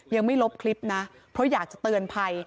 ยังไม่ลบคลิปนะเพราะอยากจะเตือนภัย